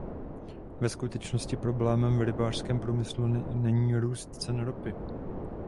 Ve skutečnosti problémem v rybářském průmyslu není růst cen ropy.